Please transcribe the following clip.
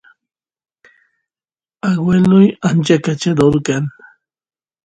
agueloy ancha kachador kan